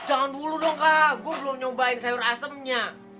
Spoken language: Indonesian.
jangan dulu dong kak gue belum nyobain sayur asemnya